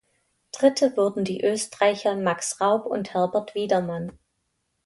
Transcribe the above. Dritte wurden die Österreicher Max Raub und Herbert Wiedermann.